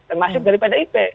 termasuk daripada ip